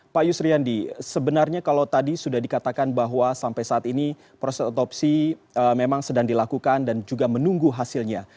pak yusriandi sebenarnya kalau tadi sudah dikatakan bahwa sampai saat ini proses otopsi memang sedang dilakukan dan juga menunggu hasilnya